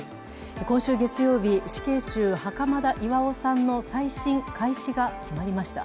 今週月曜日、死刑囚袴田巌さんの再審開始が決まりました。